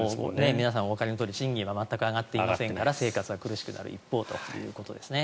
皆さんおわかりのとおり賃金は上がっていませんから生活が苦しくなる一方ということですね。